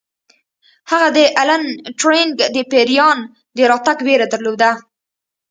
هغه د الن ټورینګ د پیریان د راتګ ویره درلوده